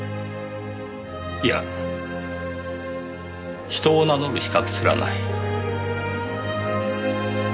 いや人を名乗る資格すらない。